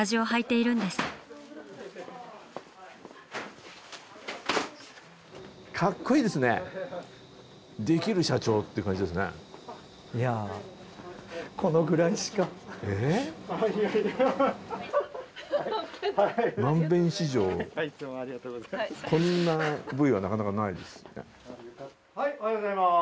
いやぁはいおはようございます。